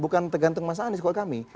bukan tergantung mas anies kalau kami